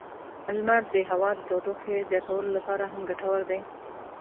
لمر د هوا د تودوخې زیاتولو لپاره هم ګټور دی.